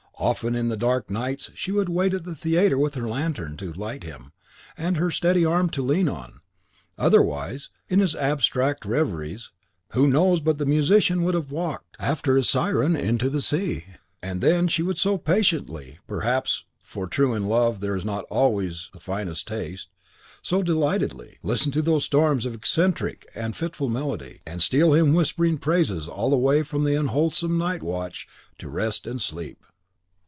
Often, in the dark nights, she would wait at the theatre with her lantern to light him and her steady arm to lean on; otherwise, in his abstract reveries, who knows but the musician would have walked after his "Siren" into the sea! And then she would so patiently, perhaps (for in true love there is not always the finest taste) so DELIGHTEDLY, listen to those storms of eccentric and fitful melody, and steal him whispering praises all the way from the unwholesome night watch to rest and sleep!